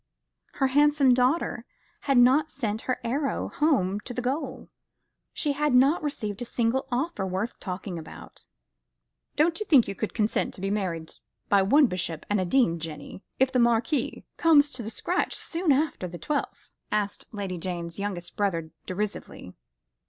Her handsome daughter had not sent her arrow home to the gold. She had not received a single offer worth talking about. "Don't you think you could consent to be married by one bishop and a dean, Jenny, if the Marquis comes to the scratch soon after the twelfth?" asked Lady Jane's youngest brother derisively.